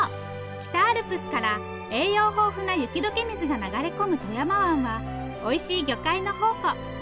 北アルプスから栄養豊富な雪解け水が流れ込む富山湾はおいしい魚介の宝庫。